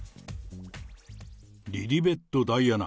リリベット・ダイアナ。